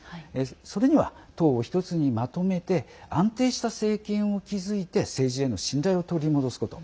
それには党を１つにまとめて安定した政権を築いて政治への信頼を取り戻すこと。